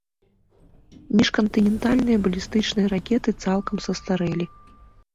Міжкантынентальныя балістычныя ракеты цалкам састарэлі.